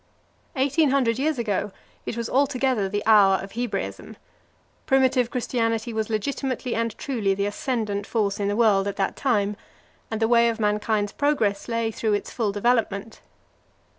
Eighteen hundred years ago it was altogether the hour of Hebraism; primitive Christianity was legitimately and truly the ascendent force in the world at that time, and the way of mankind's progress lay through its full development.